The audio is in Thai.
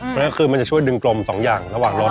คือนั่นก็คือมันจะช่วยดึงกลมสองอย่างระหว่างรส